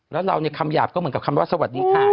แล้วเราในคำหยาบก็เหมือนกับคำว่าสวัสดีค่ะ